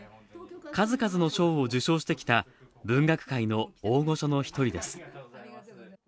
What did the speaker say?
数々の賞を受賞してきた、文学界の大御所の一人です。